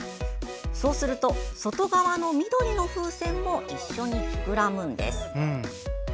そうすると、外側の緑の風船も一緒に膨らむんです。